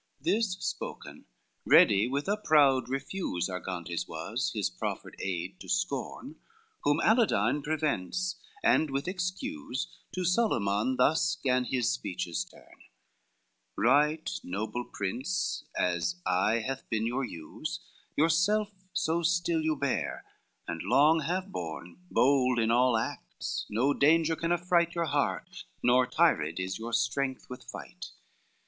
XIII This spoken, ready with a proud refuse Argantes was his proffered aid to scorn, Whom Aladine prevents, and with excuse To Solyman thus gan his speeches torn: "Right noble prince, as aye hath been your use Your self so still you bear and long have borne, Bold in all acts, no danger can affright Your heart, nor tired is your strength with fight.